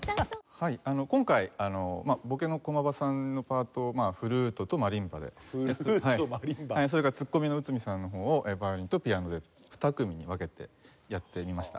今回ボケの駒場さんのパートをフルートとマリンバでそれからツッコミの内海さんの方をヴァイオリンとピアノで２組に分けてやってみました。